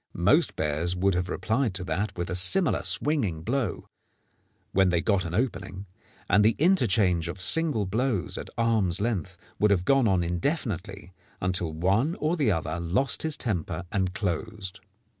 Most bears would have replied to that with a similar swinging blow when they got an opening, and the interchange of single blows at arms' length would have gone on indefinitely until one or the other lost his temper and closed.